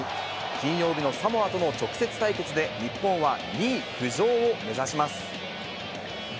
金曜日のサモアとの直接対決で、日本は２位浮上を目指します。